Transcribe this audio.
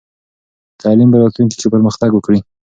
تعلیم به راتلونکې کې پرمختګ وکړي.